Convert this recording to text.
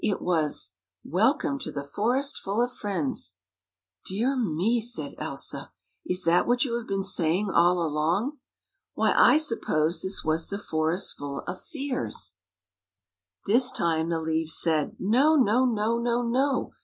It was: " Welcome to the Forest Full of Friends! "" Dear me! " said Elsa. " Is that what you haye been saying all along ? Why, I supposed this was the Forest Full of Fears." This time the leaves said: " No, no, no, no, no!